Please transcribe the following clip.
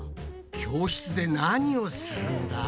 教室で何をするんだ？